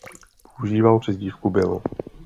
Používal přezdívku Bill.